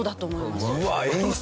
うわ演出？